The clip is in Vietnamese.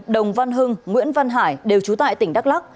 đồng văn hưng nguyễn văn hải đều trú tại tỉnh đắk lắc